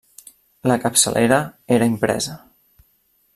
La capçalera era impresa.